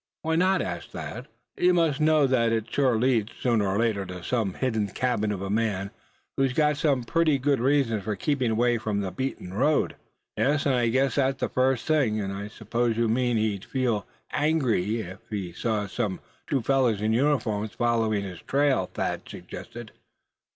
"Why not?" asked the other, looking around at his chum. "You must know that it sure leads, sooner or later, to some hidden cabin of a man who's got some pretty good reason for keeping away from the beaten road." "Yes, I guessed that the first thing; and I suppose you mean he'd feel angry some if he saw two fellows in uniform following his trail?" Thad suggested.